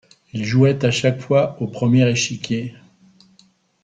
Il jouait à chaque fois au premier échiquier.